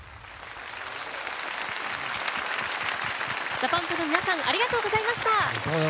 ＤＡＰＵＭＰの皆さんありがとうございました。